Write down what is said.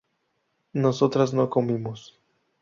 nosotras no comimos